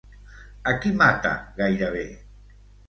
A qui mata, gairebé?